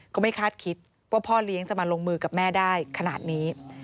ก็ไม่คาดคิดว่าพ่อเลี้ยงจะมาลงมือกับแม่ได้ขนาดนี้